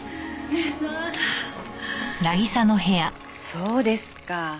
そうですか。